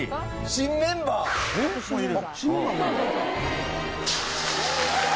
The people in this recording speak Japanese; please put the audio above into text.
新メンバーがいる。